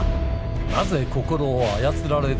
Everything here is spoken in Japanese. なぜ心を操られるのか。